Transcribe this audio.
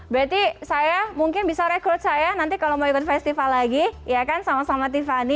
berarti saya mungkin bisa rekrut saya nanti kalau mau ikut festival lagi ya kan sama sama tiffany